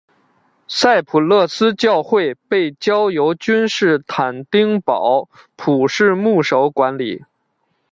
赛普勒斯教会被交由君士坦丁堡普世牧首管理。